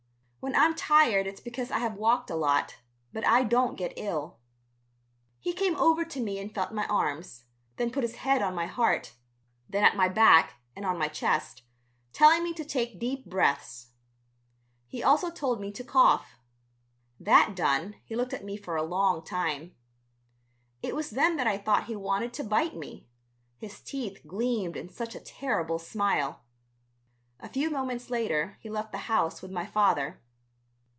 When I'm tired it's because I have walked a lot, but I don't get ill." He came over to me and felt my arms, then put his head on my heart, then at my back and on my chest, telling me to take deep breaths. He also told me to cough. That done he looked at me for a long time. It was then that I thought he wanted to bite me, his teeth gleamed in such a terrible smile. A few moments later he left the house with my father.